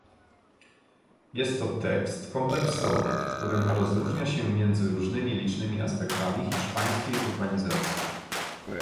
Jest to tekst kompleksowy, w którym rozróżnia się między różnymi licznymi aspektami hiszpańskiej urbanizacji